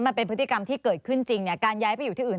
มันเป็นพฤติกรรมที่เกิดขึ้นจริงการย้ายไปอยู่ที่อื่น